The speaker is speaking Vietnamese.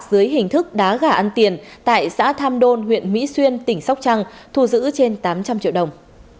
dưới hình thức đá gà ăn tiền tại xã tham đôn huyện mỹ xuyên tỉnh sóc trăng thu giữ trên tám trăm linh triệu đồng